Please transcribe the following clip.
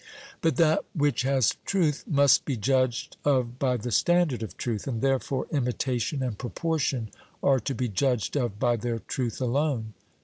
But that which has truth must be judged of by the standard of truth, and therefore imitation and proportion are to be judged of by their truth alone.